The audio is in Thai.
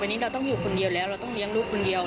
วันนี้เราต้องอยู่คนเดียวแล้วเราต้องเลี้ยงลูกคนเดียว